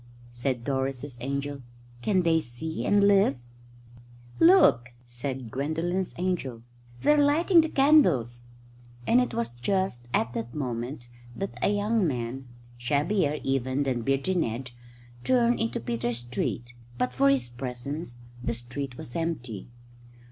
Said Doris's angel, "Can they see and live?" "Look," said Gwendolen's angel. "They're lighting the candles." And it was just at that moment that a young man, shabbier even than Beardy Ned, turned into Peter Street. But for his presence the street was empty.